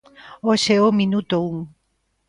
Hoxe é o minuto un.